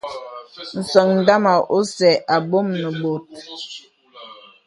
Səŋ ndàma ósə ābōm nə bòt.